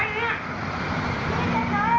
ไหน